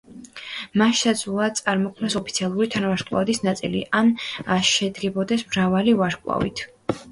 მან შესაძლოა წარმოქმნას ოფიციალური თანავარსკვლავედის ნაწილი ან შედგებოდეს მრავალი ვარსკვლავით.